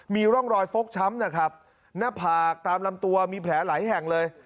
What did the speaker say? มีร่องรอยฟกช้ำนะครับหน้าผากตามลำตัวมีแผลหลายแห่งเลย